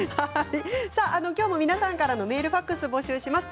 きょうも皆さんからのメール、ファックスを募集します。